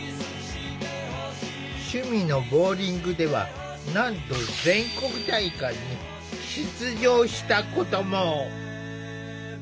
趣味のボウリングではなんと全国大会に出場したことも。